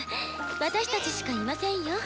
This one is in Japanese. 私たちしかいませんよ。